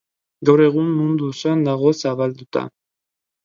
Gaur egun, mundu osoan dago zabalduta.